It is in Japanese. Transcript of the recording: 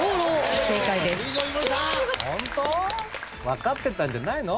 分かってたんじゃないの？